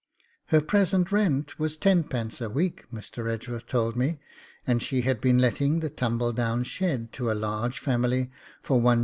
Her present rent was 10d. a week, Mr. Edgeworth told me, and she had been letting the tumble down shed to a large family for 1s.